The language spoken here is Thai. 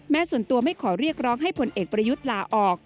ส่วนตัวไม่ขอเรียกร้องให้ผลเอกประยุทธ์ลาออก